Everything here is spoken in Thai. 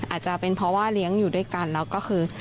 อาจจะเป็นเพราะว่าเลี้ยงอยู่ด้วยกันแล้วก็คือ